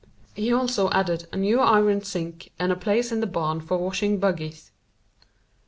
He also added a new iron sink and a place in the barn for washing buggies.